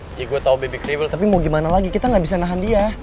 iya gue tau bebi kriwil tapi mau gimana lagi kita gak bisa nahan dia